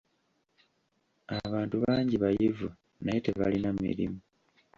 Abantu bangi bayivu naye tebalina mirimu.